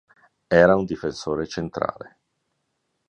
Era un difensore centrale.